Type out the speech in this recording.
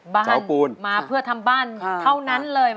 ใช้ปูนมาเพื่อทำบ้านเท่านั้นเลย